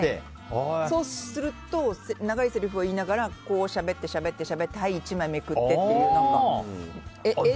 そうすると長いせりふを言いながらしゃべって、しゃべってはい、１枚めくってという絵として。